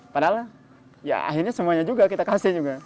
padahal ya akhirnya semuanya juga kita kasih juga